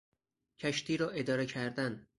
کشتی را اداره کردن